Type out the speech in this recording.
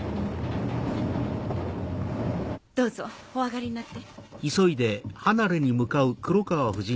どうぞお上がりになって。